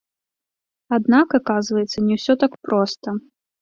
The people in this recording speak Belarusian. Аднак, аказваецца, не ўсё так проста.